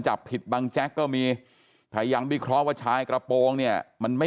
จับผิดบังแจ๊กก็มีพยายามวิเคราะห์ว่าชายกระโปรงเนี่ยมันไม่